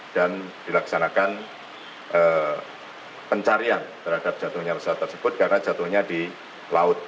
dan dilaksanakan pencarian terhadap jatuhnya pesawat tersebut karena jatuhnya di laut